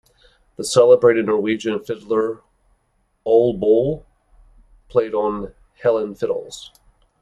The celebrated Norwegian fiddler Ole Bull played on Helland fiddles.